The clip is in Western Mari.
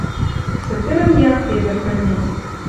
Цӹтӹрӹм якте ӹдӹр кӹлмен